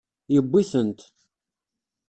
Yewwi-tent.